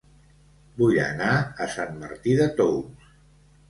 Vull anar a Sant Martí de Tous